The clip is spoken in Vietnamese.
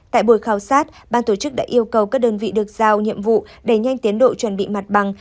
tại buổi khảo sát ban tổ chức đã yêu cầu các đơn vị được giao nhiệm vụ đẩy nhanh tiến độ chuẩn bị mặt bằng